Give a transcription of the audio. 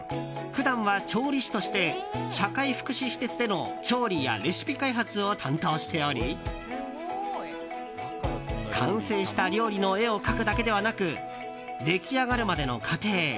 普段は調理師として社会福祉施設での調理やレシピ開発を担当しており完成した料理の絵を描くだけではなく出来上がるまでの過程